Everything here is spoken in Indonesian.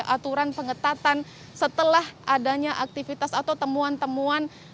aturan pengetatan setelah adanya aktivitas atau temuan temuan